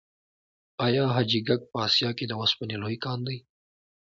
آیا حاجي ګک په اسیا کې د وسپنې لوی کان دی؟